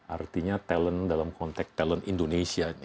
artinya talent dalam konteks talent indonesia ini